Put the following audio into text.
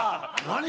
何？